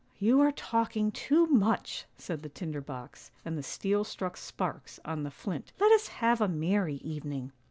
'"' You are talking too much,' said the tinder box, and the steel struck sparks on the flint. ' Let us have a merry evening.'